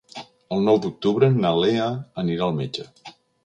El nou d'octubre na Lea anirà al metge.